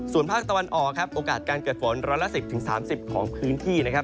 ส่วนภาคตะวันอ่อโอกาสการเกิดฝนร้อยละ๑๐๓๐ของพื้นที่